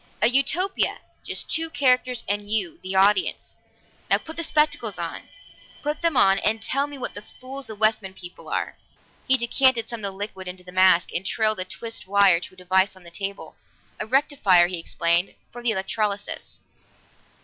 A Utopia just two characters and you, the audience. Now, put the spectacles on. Put them on and tell me what fools the Westman people are!" He decanted some of the liquid into the mask, and trailed a twisted wire to a device on the table. "A rectifier," he explained. "For the electrolysis."